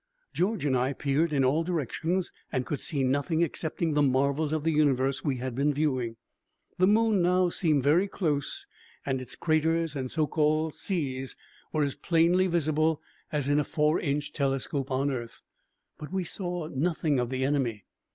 George and I peered in all directions and could see nothing excepting the marvels of the universe we had been viewing. The moon now seemed very close and its craters and so called seas were as plainly visible as in a four inch telescope on earth. But we saw nothing of the enemy.